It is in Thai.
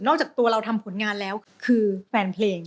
จากตัวเราทำผลงานแล้วคือแฟนเพลง